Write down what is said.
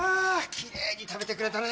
きれいに食べてくれたね。